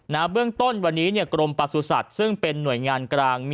เบื้องต้นวันนี้กรมประสุทธิ์ซึ่งเป็นหน่วยงานกลาง